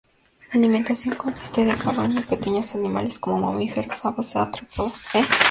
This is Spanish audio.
La alimentación consiste de carroña y pequeños animales como mamíferos, aves o artrópodos.